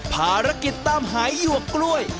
ภารกิจตามหาหยวกกล้วย